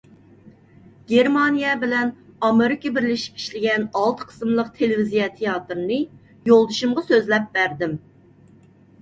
گېرمانىيە بىلەن ئامېرىكا بىرلىشىپ ئىشلىگەن ئالتە قىسىملىق تېلېۋىزىيە تىياتىرىنى يولدىشىمغا سۆزلەپ بەردىم.